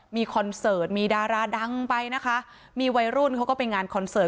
มีคอนเสิร์ตมีดาราดังไปนะคะมีวัยรุ่นเขาก็ไปงานคอนเสิร์ต